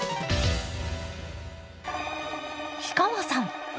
氷川さん